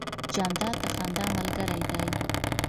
جانداد د خندا ملګری دی.